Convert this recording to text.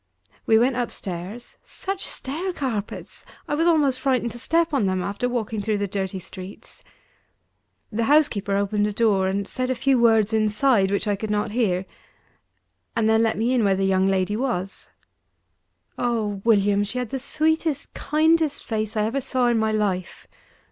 We went upstairs such stair carpets! I was almost frightened to step on them, after walking through the dirty streets. The housekeeper opened a door, and said a few words inside, which I could not hear, and then let me in where the young lady was. Oh, William! she had the sweetest, kindest face I ever saw in my life.